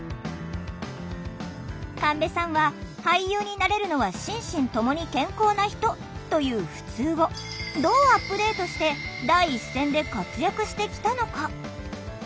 神戸さんは「俳優になれるのは心身ともに健康な人」というふつうをどうアップデートして第一線で活躍してきたのか？